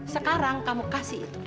sekarang kamu kasih itu